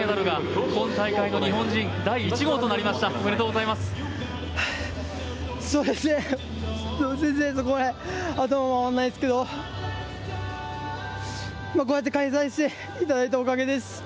頭回らないですけどこうやって開催していただいたおかげです。